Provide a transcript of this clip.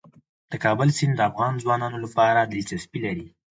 د کابل سیند د افغان ځوانانو لپاره دلچسپي لري.